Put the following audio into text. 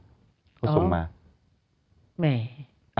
พี่หนุ่มต้องส่งมา